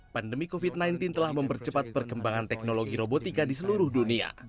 pandemi covid sembilan belas telah mempercepat perkembangan teknologi robotika di seluruh dunia